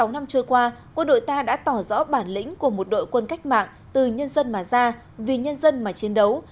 sáu năm trôi qua quân đội ta đã tỏ rõ bản lĩnh của một đội quân cách mạng từ nhân dân mà ra vì nhân dân mà chiến đấu